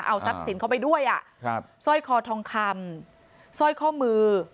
เอาซับสินเขาไปด้วยสร้อยคอทองคำสร้อยข้อมือ